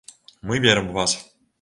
Мы верым у вас.